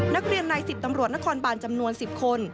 นักเรียนใน๑๐ตำรวจนครบานจำนวน๑๐คน